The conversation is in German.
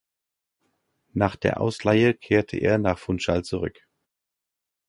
Nach der Ausleihe kehrte er nach Funchal zurück.